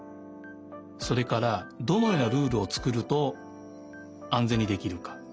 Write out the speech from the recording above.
それからどのようなルールをつくるとあんぜんにできるか。